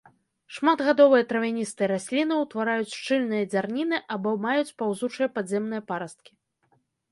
Шматгадовыя травяністыя расліны, утвараюць шчыльныя дзярніны або маюць паўзучыя падземныя парасткі.